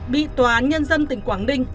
bị tòa án nhân dân tỉnh quảng ninh